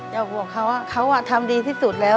อยากบอกเขาว่าเขาทำดีที่สุดแล้ว